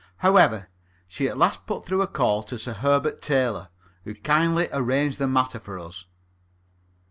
However, she at last put through a call to Sir Herbert Taylor, who kindly arranged the matter for us.